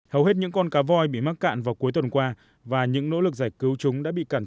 hầu hết những con cá voi bị mắc cạn vào cuối tuần qua và những nỗ lực giải cứu chúng đã bị cạn